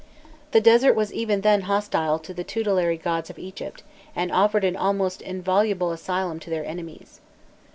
The desert was even then hostile to the tutelary gods of Egypt, and offered an almost inviolable asylum to their enemies.